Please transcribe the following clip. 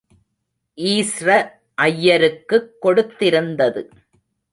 ஈஸ்ர அய்யருக்குக் கொடுத்திருந்தது.